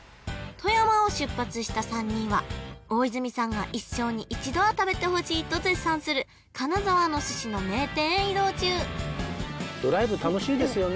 富山を出発した３人は大泉さんが一生に一度は食べてほしいと絶賛する金沢の寿司の名店へ移動中ドライブ楽しいですよね